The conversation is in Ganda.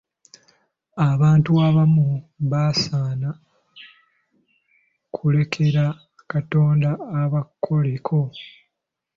Abantu abamu basaana kulekera Katonda abakoleko.